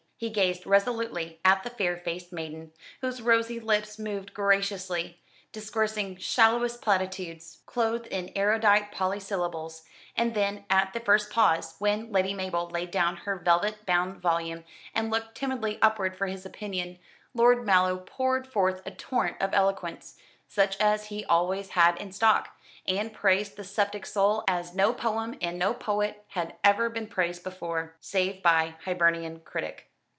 He gazed resolutely at the fair faced maiden, whose rosy lips moved graciously, discoursing shallowest platitudes clothed in erudite polysyllables, and then at the first pause when Lady Mabel laid down her velvet bound volume, and looked timidly upward for his opinion Lord Mallow poured forth a torrent of eloquence, such as he always had in stock, and praised "The Sceptic Soul" as no poem and no poet had ever been praised before, save by Hibernian critic.